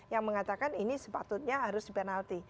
yang mengatakan ini sepatutnya harus penalti